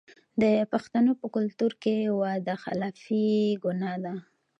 د پښتنو په کلتور کې وعده خلافي ګناه ده.